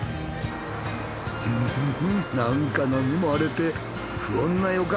フフフッなんか波も荒れて不穏な予感。